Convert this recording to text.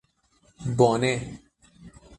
بانه